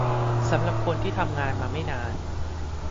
สำหรับคนที่ทำงานมาไม่นานมาก